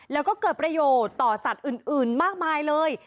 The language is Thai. แล้วก็เกิดประโยชน์ต่อสัตว์อื่นมากมายเลย